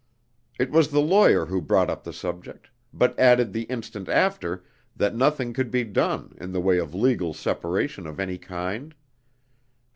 It was the lawyer who brought up the subject, but added the instant after, that nothing could be done, in the way of legal separation of any kind.